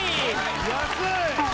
安い！